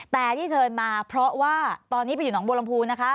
แต่ที่เชิญมาเพราะว่าตอนนี้ไปอยู่หนองบัวลำพูนะคะ